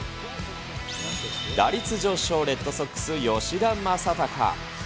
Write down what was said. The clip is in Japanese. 打率上昇、レッドソックス、吉田正尚。